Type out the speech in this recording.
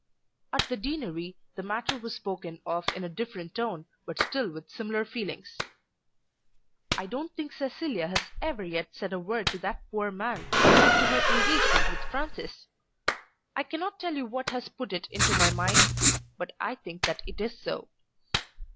At the Deanery the matter was spoken of in a different tone but still with similar feelings. "I don't think Cecilia has ever yet said a word to that poor man as to her engagement with Francis. I cannot tell what has put it into my mind, but I think that it is so."